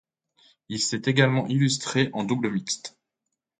Il s'est également illustré en double mixte.